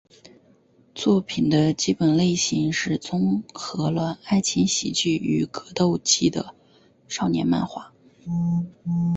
作品的基本类型是综合了爱情喜剧与格斗技的少年漫画。